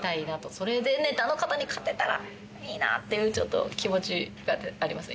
それでネタの方に勝てたらいいなっていうちょっと気持ちがありますね